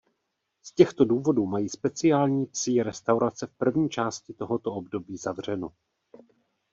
Z těchto důvodů mají speciální psí restaurace v první části tohoto období zavřeno.